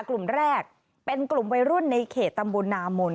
กลุ่มแรกเป็นกลุ่มวัยรุ่นในเขตตำบลนามน